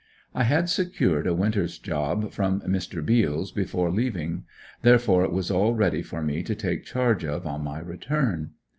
I had secured a winter's job from Mr. Beals before leaving therefore it was all ready for me to take charge of on my return.